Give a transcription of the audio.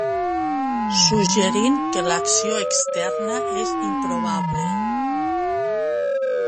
Suggerint que l'acció externa és improbable.